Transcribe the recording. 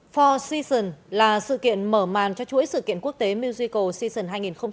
four seasons là sự kiện mở màn cho chuỗi sự kiện quốc tế musical season hai nghìn hai mươi bốn